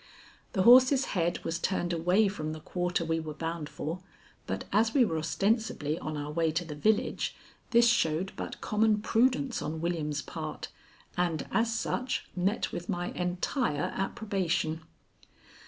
The horse's head was turned away from the quarter we were bound for, but as we were ostensibly on our way to the village, this showed but common prudence on William's part, and, as such, met with my entire approbation.